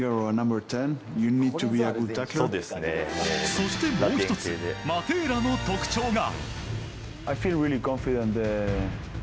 そして、もう１つマテーラの特徴が。